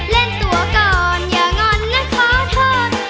เล่นตัวก่อนอย่างอ่อนนะขอโทษ